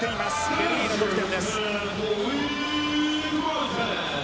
ベルギーの得点です。